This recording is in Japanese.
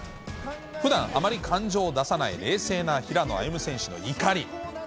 ふだんあまり感情を出さない、冷静な平野歩夢選手の怒り。